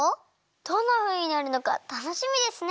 どんなふうになるのかたのしみですね！